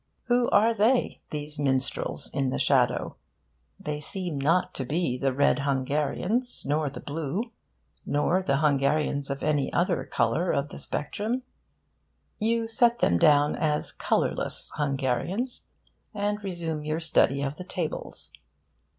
Who are they, these minstrels in the shadow? They seem not to be the Red Hungarians, nor the Blue, nor the Hungarians of any other colour of the spectrum. You set them down as the Colourless Hungarians, and resume your study of the tables.